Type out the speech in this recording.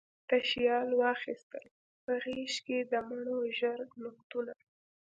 تشیال واخیستل په غیږکې، د مڼو ژړ نګهتونه